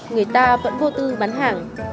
người ta vẫn vô tư bán hàng